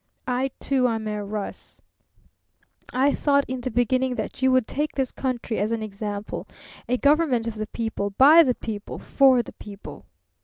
I, too, am a Russ. I thought in the beginning that you would take this country as an example, a government of the people, by the people, for the people.